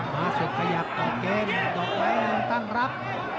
ภาร์มสุดขยับตอร์เกณฑ์ดอกไว้แล้วตั้งรับ